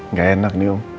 nggak enak nih om